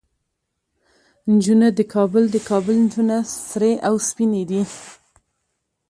نجونه د کابل، د کابل نجونه سرې او سپينې دي